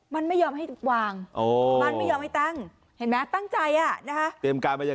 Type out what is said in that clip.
มันไม่ยอมให้วางมันไม่ยอมให้ตั้งเห็นไหมตั้งใจอ่ะนะคะ